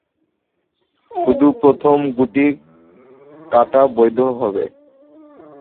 শুধু প্রথম গুটি কাটা বৈধ হবে।